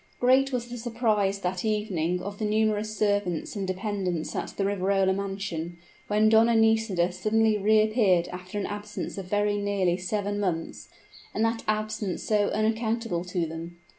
Great was the surprise that evening of the numerous servants and dependents at the Riverola mansion, when Donna Nisida suddenly reappeared after an absence of very nearly seven months and that absence so unaccountable to them!